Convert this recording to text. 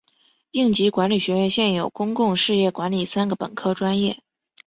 应急管理学院现有公共事业管理三个本科专业。